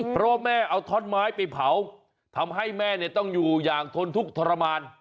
เพราะว่าแม่เอาท่อนไม้ไปเผาทำให้แม่ต้องอยู่อย่างทนทุกข์ทรมาน